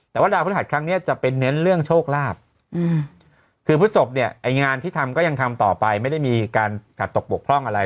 แต่ว่าดาวพฤหัสครั้งนี้จะเป็นเน้นเรื่องโชคลาภคือพฤศพเนี่ยไอ้งานที่ทำก็ยังทำต่อไปไม่ได้มีการขัดตกบกพร่องอะไร